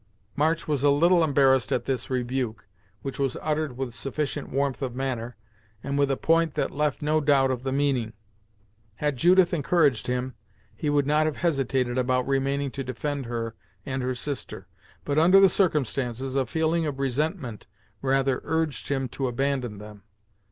March was a little embarrassed at this rebuke, which was uttered with sufficient warmth of manner, and with a point that left no doubt of the meaning. Had Judith encouraged him, he would not have hesitated about remaining to defend her and her sister, but under the circumstances a feeling of resentment rather urged him to abandon them.